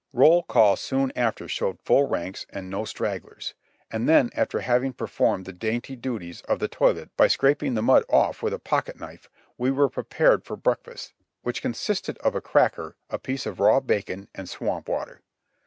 Roll call soon after showed full ranks and no stragglers; and then after having performed the dainty duties of the toilet by scraping the mud off with a pocket knife, we were prepared for breakfast, which consisted of a cracker, a piece of raw bacon and swamp water.